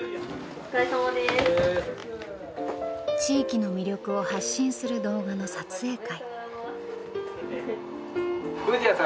地域の魅力を発信する動画の撮影会。